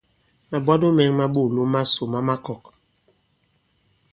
Màbwalo mɛ̄ŋ ma ɓoòlom masò ma makɔ̀k.